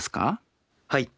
はい。